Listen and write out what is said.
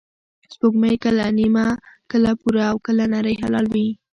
سپوږمۍ کله نیمه، کله پوره، او کله نری هلال وي